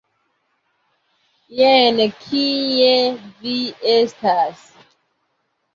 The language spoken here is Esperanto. Jen kie vi estas!